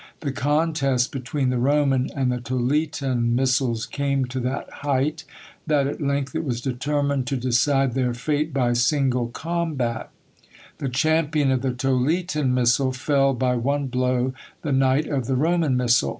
The contest between the Roman and the Toletan missals came to that height, that at length it was determined to decide their fate by single combat; the champion of the Toletan missal felled by one blow the knight of the Roman missal.